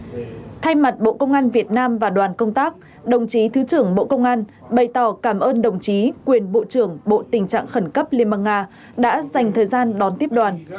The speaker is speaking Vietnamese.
thay mặt bộ công an việt nam và đoàn công tác đồng chí thứ trưởng bộ công an bày tỏ cảm ơn đồng chí quyền bộ trưởng bộ tình trạng khẩn cấp liên bang nga đã dành thời gian đón tiếp đoàn